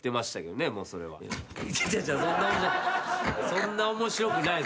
そんな面白くない。